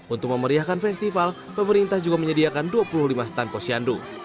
untuk memeriahkan festival pemerintah juga menyediakan dua puluh lima stand posyandu